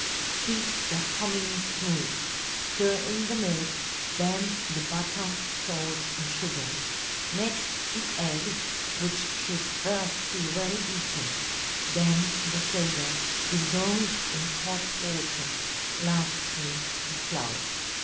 Beat the hominy smooth; stir in the milk, then the butter, salt, and sugar; next the eggs, which should first be well beaten; then the soda, dissolved in hot water; lastly the flour.